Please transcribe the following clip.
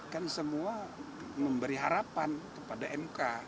kan semua memberi harapan kepada mk